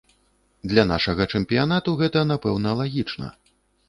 Для нашага чэмпіянату гэта, напэўна, лагічна.